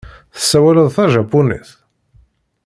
Tessawaleḍ tajapunit?